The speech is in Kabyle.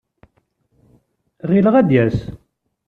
Ɣileɣ ad d-yas.